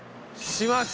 します！